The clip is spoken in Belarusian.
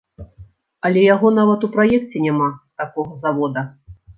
Але яго нават у праекце няма, такога завода!